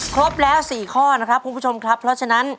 ครบแล้ว๔ข้อนะครับคุณผู้ชมครับเพราะฉะนั้น